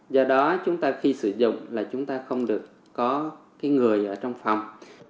do đó chúng ta khi sử dụng là chúng ta không được có người ở trong phòng